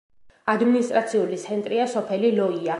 ადმინისტრაციული ცენტრია სოფელი ლოია.